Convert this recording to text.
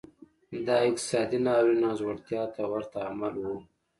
دا اقتصادي ناورین او ځوړتیا ته ورته عمل و.